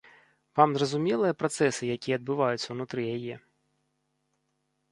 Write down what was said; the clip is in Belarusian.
Вам зразумелыя працэсы, якія адбываюцца ўнутры яе?